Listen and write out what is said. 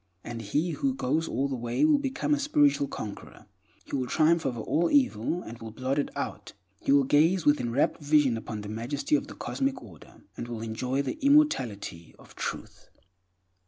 And he who goes all the way will become a spiritual conqueror; he will triumph over all evil, and will blot it out. He will gaze with enrapt vision upon the majesty of the Cosmic Order, and will enjoy the immortality of Truth. 5.